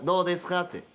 って。